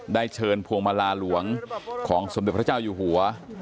ได้เชิญพวงมาลาหลวงของสมเด็จพระเจ้าอยู่หัว